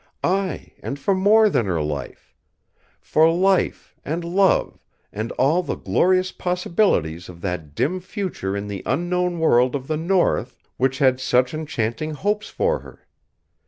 Ay, and for more than her life! For life, and love, and all the glorious possibilities of that dim future in the unknown world of the North which had such enchanting hopes for her!